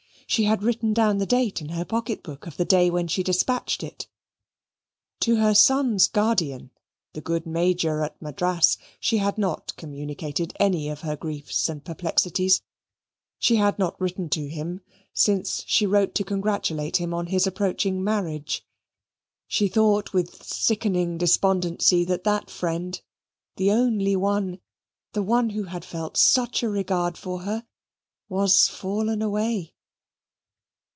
She had written down the date in her pocket book of the day when she dispatched it. To her son's guardian, the good Major at Madras, she had not communicated any of her griefs and perplexities. She had not written to him since she wrote to congratulate him on his approaching marriage. She thought with sickening despondency, that that friend the only one, the one who had felt such a regard for her was fallen away.